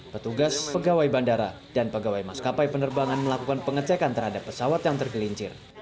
petugas pegawai bandara dan pegawai maskapai penerbangan melakukan pengecekan terhadap pesawat yang tergelincir